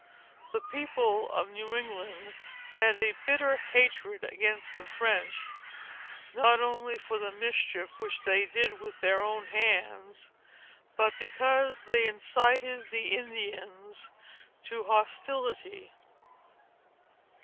The people of New England had a bitter hatred against the French, not only for the mischief which they did with their own hands, but because they incited the Indians to hostility.